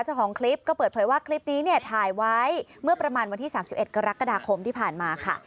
เจ้าของคลิปก็เปิดเผยว่าคลิปนี้เนี่ยถ่ายไว้เมื่อประมาณวันที่๓๑กรกฎาคมที่ผ่านมาค่ะ